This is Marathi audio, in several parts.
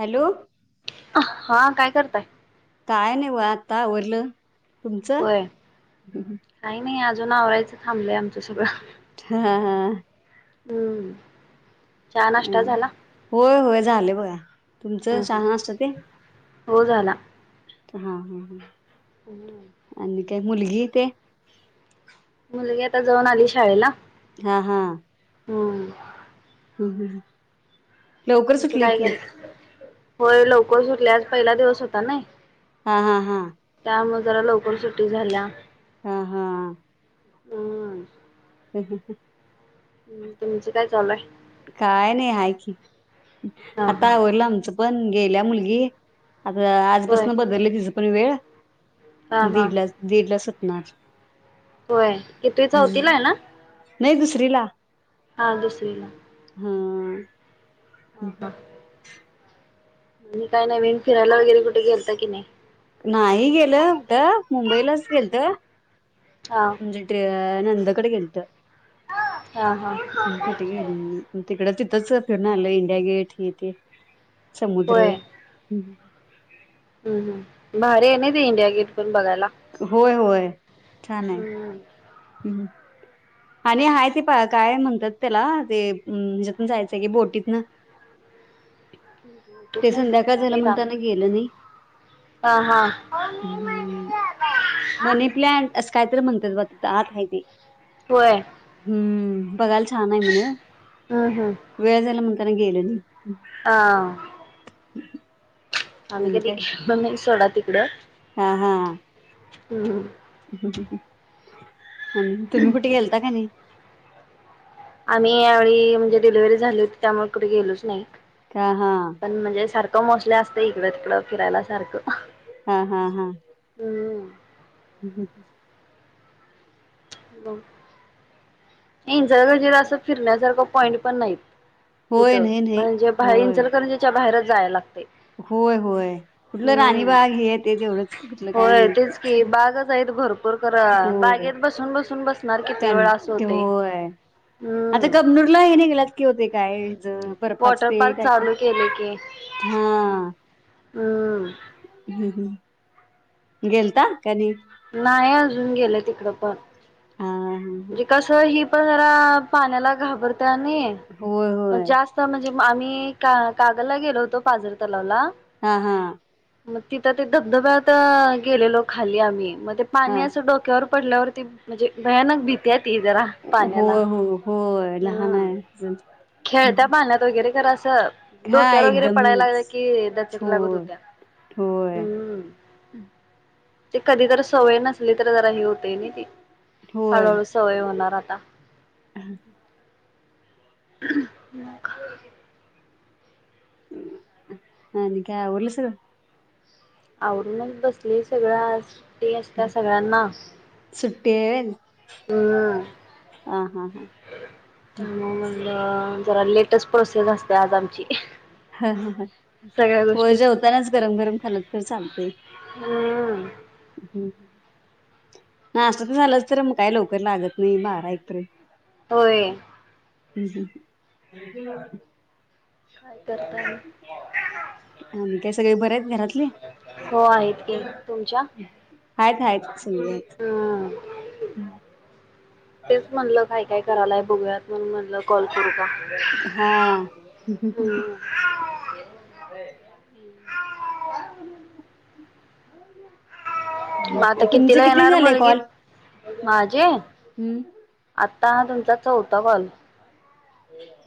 हॅलो. हा काय करताय? काय नाही वा आता आवरलं तुमचं? होय काही नाही अजून आवराायचं थांबलंय आमचं सगळं. हा हा. हम्म. चहा अ नाश्ता झाला होय होय झाले बया तुमचं हम्म चहा हम्म नाश्ता असत ते हो झाला. हा हा हा. ह. आणि काय मुलगी ते मुलगी आता जाऊन आली शाळेला. हा हा. हम्म. हम हम. तुमचं काय के होय लवकर सुटल्या आज पहिला दिवस होता ना. हा हा हा. त्यामुळे जरा लवकर सुटी झाल्या. हा हा. हम्म एक [unintelligible] हम्म तुमचं काय चालूय? काय नाही आहे की हा आता हा आवरलं आमचं पण गेल्या मुलगी. आता होय आजपासन बदलं तिच पण वेळ हा हा दीडला दीड सुटणार. होय की कित चौथीला हम्म. आहे ना? नाही दुसरी ला. हां दुसरी ला. हा. हा आणि काय नाही विन फिरायला वगैरे कुठेलत की नाही? नाही गेलं कठं मुंबईलाच गेल तर हा. म्हणजे नंदाकडे गेलत हा हा कुठे गेल. तिकड तिथंच फि ना आलं इंडिया गेट हे ते थे समुद्र. हम हम भारी आहे नाही ते इंडिया गेट पण बघायला? होय होय छान आहे हम्म हम. आणि आहे ते काय म्हणतात त्याला ते म्हज्यातून जायचंय की बोटीत न संध्याकाळ राम झालं राम [unintelligible] म्हणताना गेलं नाही. हा हा. हम्म, मनी प्लंट असं कायतरी म्हणतात ब आत आहे ती. होय. हम्म बघायला छान आहे म्हण हम्म हम्म वेळ झाला म्हणताना गेलं नाही. हम्म, हां. आम्ही आणि कधी काय मम्मीनां सोडा तिकडं हा हा. हम्म. आणि तुम्ही कुठे गेलता का नाही? आम्ही यावेळी, म्हणजे डिलिव्हरी झाली होती त्यामुळे कुठे गेलोच नाही. हां हां. पण म्हणजे सारखं मोस्ले असत इकडं तिकडं, फिरायला सारखं. हा हा हा. हम्म. हम्म हम्म. बर. इचलकरंजीला असं फिरण्यासारखं पॉईंट पण नाहीत होय कुठं, नाही नाही म्हणजे बाहेंर होय इचलकरंजीच्या बाहेरच जायला लागतय. होय होय, कुठलं राणीबाग हेे ते तेवढंच, कुठलं काय होय नाही तेच की बागच हायत भरपूर खरं होय बागेत बसून बसून बसणार किती त्यां वेळ, असं होतय‌. होय आता कबनूरला हे निगल्यात की ओ ते काय बर्पाच वॉटर ते पार्क का, का चालू केले की हां हम्म हम्म, गेलता क नाही. नाही अजून गेलं तिकडं पण हा हा म्हणजे कसं हि पण जरा पाण्याला घाबरत्या नाई, होय म होय जास्त म्हणजे आम्ही का कागलला गेलो होतो पाजर तलावला, हा हा. मग तिथं ते धबधब्यात गेलेलो खाली आम्ही, मग ते हा पाणी असं डोक्यावर पडल्यावर ती म्हणजे भयानक भीती ती जरा पाण्याला, होय हो होय लहान हम्म. आहे अजून खेळत्या पाहण्यात वगैरे खरं असं हा डोक्यावर वगैरे एकदम पडायला न्यूच लागलं की दचकल्या गत होय हुत्या, होय हम्म. ते कधी तर सवय नसली तर जरा हे होतय ना ते, हळूहळू सवय होणार आता. हम्म ह म का आनी काय आवरलं सगळं? आवरुनच बसलोय सगळं आज सुट्टी असत्या सगळ्यांना. सु्टी वय त्यामुळं म्हणलं जरा लेटच प्रोसेस असत्या आज आमची. ह ह ह सगळ्या वय गोष्टीत जेवतानाच गरम गरम खाल तरी चालतय. हम्म. नाष्टा तन झालंच तर मग काय लवकर लागत नाही बारा एक पर्यंत. होय. हम्म हं काय करताय? अं काय सगळे बरे आहेत घरातली? हो आहेत की तुमच्या? हायत हायच सगळं हं. हम्. तेच म्हणलं काय काय करायलाय बघूयात. म्हणून म्हणल कॉल करू का? हा. हम्म आता तुमचं कितीला किती येणार झालंय मुलगी? कॉल? माझी. हम्म आता हा तुमचा चौथा कॉल.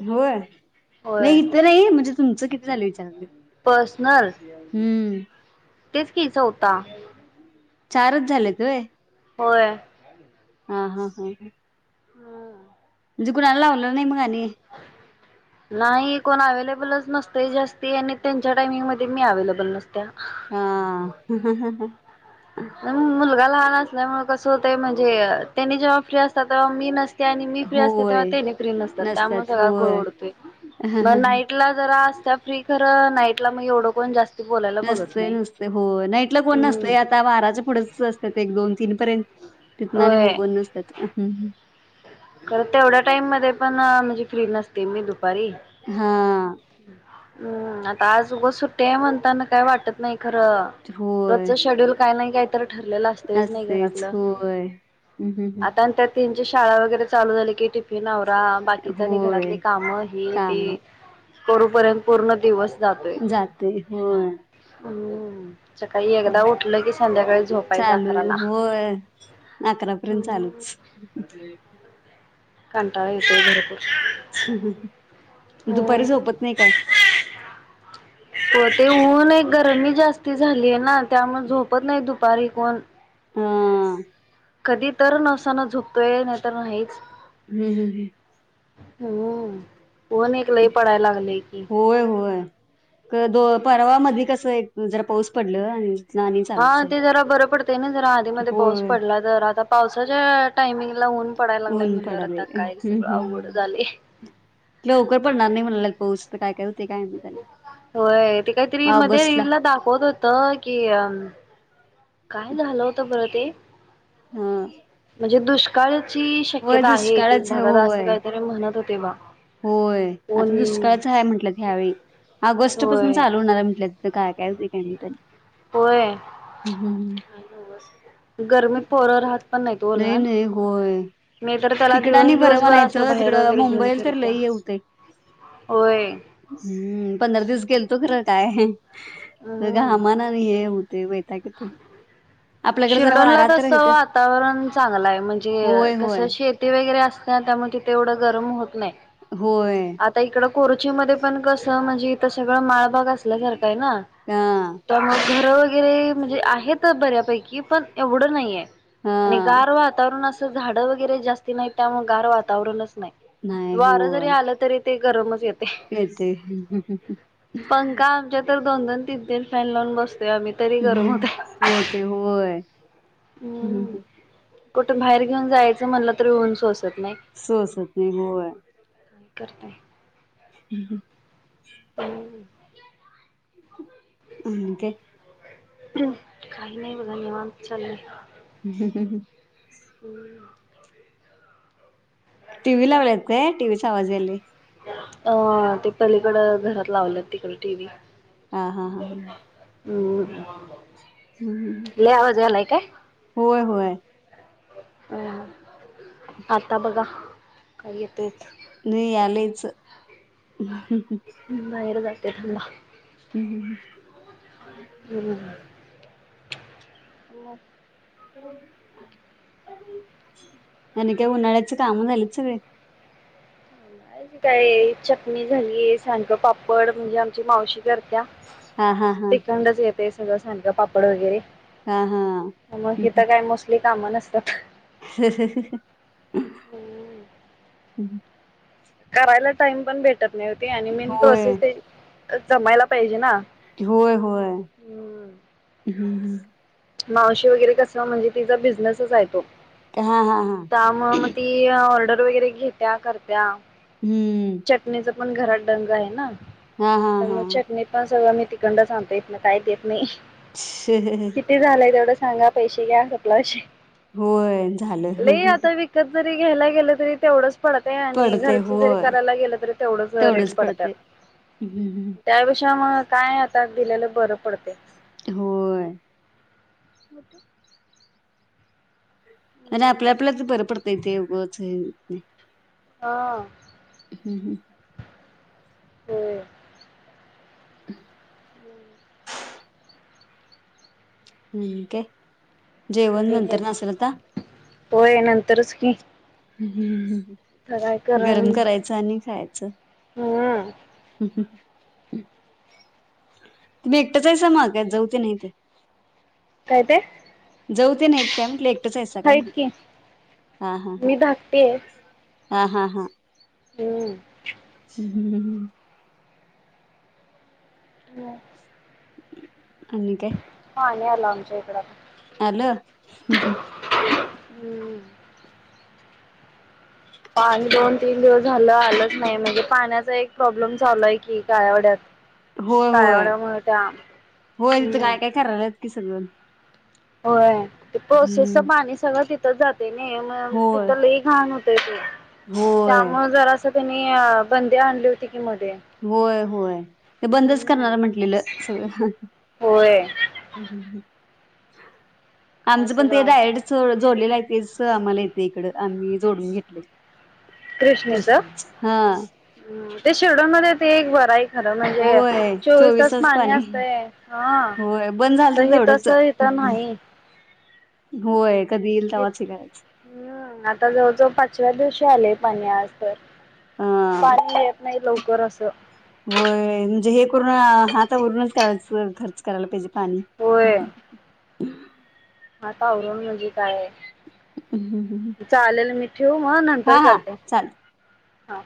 होय नाही होय इथं नाही म्हणजे तुमचं किती झालं विचारले. पर्सनल हम्म तेच की चवता. चारच झाल्यात होय? होय. हा हा हा ह. ह. म्हणजे कुणाला लावलं नाही मग आणि? [unintelligible] नाही कोण अवेलेबलच नसतय जास्ती आणि त्यांच्या टाइमिंगमध्ये मी अवेलेबल नसत्या. हा. मुलगा लहान असल्यामुळे कसं होतय म्हणजे त्यांनी जेव्हा फ्री असतात तेव्हा मी नस ते आणि मी फ्री असते तेव्हा होय तेनी फ्री नसतात, त्यामुळे सगळा घोळ उडतोय. मग नाईट ला जरा असत्या फ्री खर नाईटला मग एवढं कोण जास्त नसतय नसतय हो नाईटला कोण हम्म नसतया आ आता बाराच्या पुढेच असतात एक दोन तीन पर्यंत तिथन अन होय मग कोण नसत्यात. खरं तेवढ्या टाईम मध्ये पण म्हणजे फ्री नसते मी दुपारी. ह. हम्म आता आज उघंच सुट्टी आहे म्हणताना काय वाटत नाही खरं होय. रोजच शेड्यूल काय नाही काय तर ठरलेलं असतयच नी असतेच. घरातलं होय. हं, हं, हं. आता तर शाळा वगैरे चालू झाली की टिफिन आवरा बाकीच आणि घरातली होय. काम हे ते कामं करूपर्यंत पूर्ण दिवस जातोय जाते. होय. हम्. सकाळी एकदा हं. उठलं की संध्याकाळी झोपायच आकराला. होय. आकरापर्यंत चालूच. कंटाळा येतोय खरं खूप. दुपारी झोपत नाही काय? हो ते ऊन एक गरमी जास्त झालीय ना त्यामुळे झोपत नाही दुपारी कोण. हा. कधी तर नवसानं झोपतोय नाही तर नाहीच. हम् हम हम. हम्म ऊन एक लई पडाय लागलय की. होय होय. दो परवामध्ये कसं एक जरा पाऊस पडल आणि तिथनं आणि हा चालूच आहे. ते जरा बरं पडत नई जरा आधीमध्ये पाऊस होय. पडला तर आता पावसाच्या टायमिंगला ऊन पडायला लागलंय ऊन म्हणल्यावर पडाले आता हम्म सगळं हम्म अवघड झालंय. लवकर पडणार नाही म्हणाल्यांत पाऊस. आता काय काय होतय काय माहित. आणि होय ते काहीतरी मध्ये ऑगस्टला रील ला दाखवत होत कि अ काम झालं होतं बरं ते हा म्हणजे दुष्काळाची शक्यता आहे एक एक दुष्काळच आहे भागात असं होय काहीतरी म्हणत होते बाबा होय आता दुष्काळच आहे म्हंटलंत ह्यावेळी ऑगस्ट पासून होय चालू होणार आहे म्हटलंत. [inaudible] काय काय [inaudible] होय हम्म हम्म. गरमीत पोरं राहत पण नाहीत ओ नाही लहान. नाही होय मी तर त्याला इकडं आणि दिवस बरं दिवसभर असं म्हणायचं बाहेर तिकडं वगैरे घेऊन मुंबईल तर फिरत्या लई होतंय. होय हम्म पंधरा दिवस गेलं खरं काय हम्म. घामा न हे तेचं वैताग येतोय आपल्याकडे जरा शिर्डोनला वारा तर तसं हायेत असतो. वातावरण चांगलं आहे म्हणजे होय कसं शेती वगैरे असत्या त्यामुळे तिथं एवढं गरम होत नाही. होय. आता इकडं कोरोची मध्ये पण कसं म्हणजे इथं सगळं माळभाग अस आसल्या सारखं आहे ना हा त्यामुळं घरं ते म्हणजे आहेत बऱ्यापैकी पण एवढं नाहीये. हा गार वातावरण असं झाड वगैरे जास्त नाही त्यामुळे गार वातावरणच नाही. नाही वारं जरी होय आलं तरी ते गरमच येते येते पंखा आमच्यात तर दोन दोन तिनं तिन फॅन लावून बसतोय आम्ही तरी गरम हम्म होतंय होते होय हम्म कुठं बाहेर घेऊन जायचं म्हणलं तर हे ऊन सोसत नाही. सोसत नाही होय. काय करताय. हम्म हम्म. हम् आणि काय? काही नाही बघा निवांत चाललंय. हम्म हम्म हम्म होय. टीव्ही लावल्यात काय टीव्ही चा आवाज यायलाय? अ ते पलीकड घरात लावल्यात तिकडं टीव्ही हा हा हा हम्म हम्म लय आवाज यालाय काय? होय होय अ आत्ता बघा का येतोय का? नाही यालयचं हा बाहेर जाते थांबा हम्म हम्म हम्म हम्म मग आणि काय उन्हाळ्याची काम झालीत सगळी? काय चटणी झालीये सांडग पापड म्हणजे आमची मावशी करत्या हा हा हा तिकंडच येत ते सगळं सांडग पापड वगैरे हा हा मग इथं काय मोस्टली काम नसत्यात. ह ह ह हे. हम्म करायला टाइम पण भेटत नाही वो ते आणि मेन होय प्रोसेस ते जमायला पाहिजे ना. होय होय हम्म हम्म. मावशी वगैरे कस म्हणजे तिचा बिझनेसच आहे तो हा हा हा त्यामुळ मग ती ती ऑर्डर वगैरे घेत्या करत्या. हम्म. चटणीचं पण घरात डंग आहे ना हा हा तर हा मग चटणी पण सगळं मी तिकडनचं आणतोय इथन काय देत नाही. हि हि हि. किती झालंय तेवढं सांगा पैसे घ्या सपला विषय. होय झालं हं लई हं हं. आता विकत जरी घ्यायला गेलं तरी तेवढंच पडतंय आणि पडते घरचं जरी होय. करायला गेल तरी तेवढच रेट तेवढंच पडत्यात पडते हम्म हम्म. त्याच्यापेक्षा मग काय दिलेलं बरं पडतंय. होय. [inaudible] आणि आपल्या आपल्या तर बरं पडतय येते उगच हे होत नाही. हा. हम हम. होय. [inaudible] मग आणी काय [unintelligible] जेवण नंतर असेल आता? होय नंतरच की. हम्म हम्म हम्म तर काय कर हम्म. गरम करायचं आणि खायाच हम्म हम्म. तुम्ही एकटचं आहेस मग का जाऊ तेन आहेत. काय ते जाऊ ते आहेत काय म्हटलं एकटंच आहेसा काय म्हण आहेत की हा हा हा. मी धाकटी आहे हा हा हा. हम्म. ह हम्म हम. निवांत [unintelligible] आणि काय पाणी आल आमच्या इकड आता. आल. हम्म पाणी दोन तीन दिवस झालं आलंच नाही म्हणजे पाण्याचा एक प्रॉब्लेम चालो आहे की. काळ्यावड्यात होय होय होय तथ हम्म काय काय कराल्यात कि सगळं. होय ते पाऊसाच हम्म. पाणी सगळं तिथं जाते नाही मग होय तिथ घान होत ते होय. त्यामुळ जरां त्यानी बंदी आणली होती की मध्ये. होय होय ते बंदच हम्म करणार म्हंटलेलं सगळं. होय काय आमज आमच पण सगळं आवघड डॅरेक्टच च जोडलेला आहे तेच आम्हाला येते इकड आम्ही जोडून घेतलय. कृष्णेच ते शिरडोनमध्ये ते एक बर आहे की. खर म्हणजे चोवीस तास पाणी असतय हा होय बंद त झालत ह तस तेवढंच. तर नाही. होय, कधी येईल तवाच हे करायच. हम, आता जवळ जवळ पाचव्या दिवशी आले पाणी आज तर. हा. पाणी येत नाही लवकर असं. होय, म्हणजे हे करून हातावरूनच करायच खर्च करायला पहिजे पाणी. हातआवरून म्हणजे काय आहे. हम् हम. चालेल मी ठेऊ मग नंतर हा हा करते. चालेल. हा.